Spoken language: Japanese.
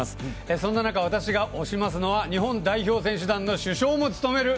そんな中、私が推しますのは日本選手団の主将も務めます